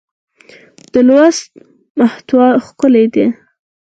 د لوست محتوا ښکلې ده.